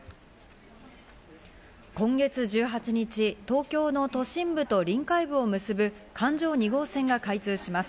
今月１８日、東京の都心部と臨海部を結ぶ環状２号線が開通します。